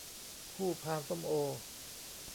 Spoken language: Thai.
คู่พานส้มโอ